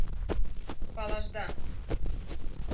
Палашда!